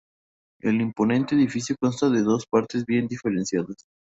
El imponente edificio consta de dos partes bien diferenciadas.